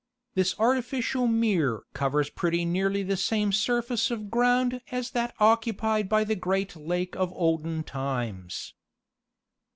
This artificial mere covers pretty nearly the same surface of ground as that occupied by the great lake of olden times.